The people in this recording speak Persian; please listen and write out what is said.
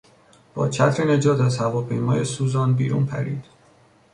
با چتر نجات از هواپیمای سوزان بیرون پرید.